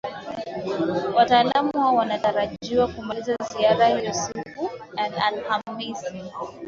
wataalamu hao wanatajajiwa kumaliza ziara hiyo siku ya alhamisi